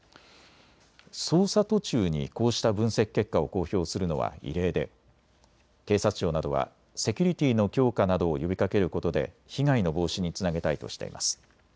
捜査途中にこうした分析結果を公表するのは異例で警察庁などはセキュリティーの強化などを呼びかけることで被害の防止につなげたいとしています。